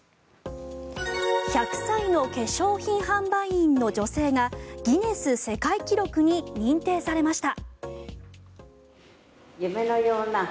１００歳の化粧品販売員の女性がギネス世界記録に認定されました。